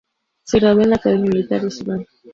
Se graduó en la Academia Militar de Sudán.